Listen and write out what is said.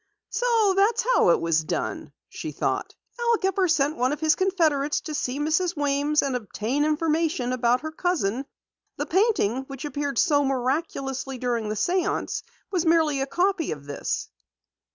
"So that was how it was done!" she thought. "Al Gepper sent one of his confederates to see Mrs. Weems and obtain information about her cousin. The painting which appeared so miraculously during the séance was merely a copy of this!